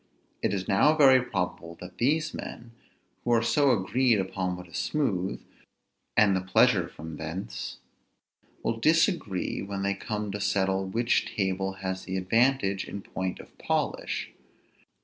It is now very probable that these men, who are so agreed upon what is smooth, and in the pleasure from thence, will disagree when they come to settle which table has the advantage in point of polish.